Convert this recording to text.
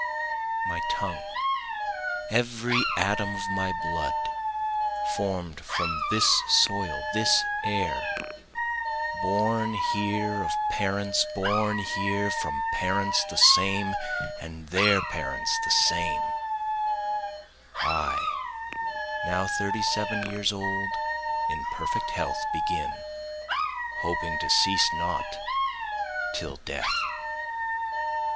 My tongue, every atom of my blood, form'd from this soil, this air, Born here of parents born here from parents the same, and their parents the same, I, now thirty seven years old in perfect health begin, Hoping to cease not till death.